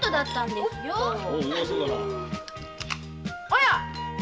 おや？